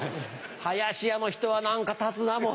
林家の人は何か立つなもう。